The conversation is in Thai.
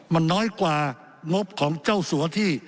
มันน้อยกว่างบของเจ้าสัวที่